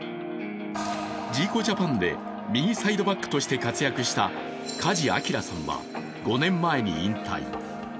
ジーコジャパンで右サイドバックとして活躍した加地亮さんは５年前に引退。